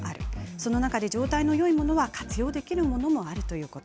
その中で状態のよいものは活用できるものもあるということ。